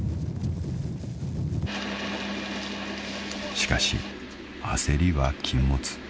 ［しかし焦りは禁物］